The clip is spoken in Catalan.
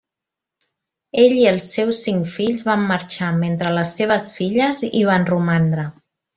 Ell i els seus cinc fills van marxar, mentre les seves filles hi van romandre.